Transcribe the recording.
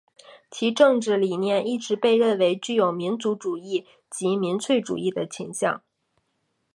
其政治理念一直被认为具有民族主义及民粹主义的倾向。